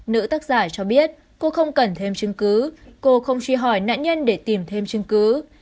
nữ tác giả cho biết cô không cần thêm chứng cứ cô không truy hỏi nạn nhân để tìm thêm chứng cứ